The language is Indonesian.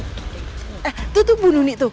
eh tuh tuh bu nuni tuh